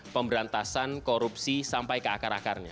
pemberantasan korupsi sampai ke akar akarnya